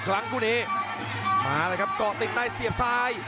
กลังกุนิมาแล้วครับก่อติดในเสียบซ้าย